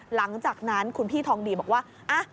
หลังจากนั้นคุณพี่ทองดีบอกว่า